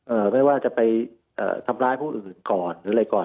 ไม่ว่าจะไปเอ่อทำร้ายผู้อื่นก่อนหรืออะไรก่อน